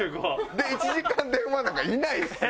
４５。で１時間電話なんかいないですよ。